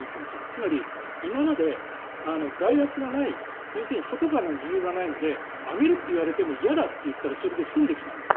つまり、今まで外圧がない、要するに外からの理由がないので上げると言われても嫌だと言ったらそれで済んできたんです。